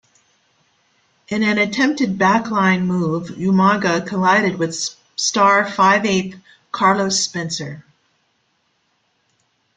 In an attempted back line move, Umaga collided with star Five-Eighth Carlos Spencer.